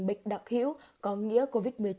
bệnh đặc hữu có nghĩa covid một mươi chín